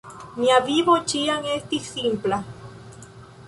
Mia vivo ĉiam estis simpla.